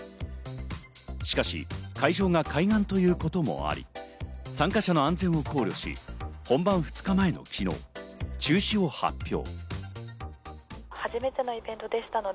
しかし、会場が海岸ということもあり、参加者の安全を考慮し、本番２日前の昨日、中止を発表。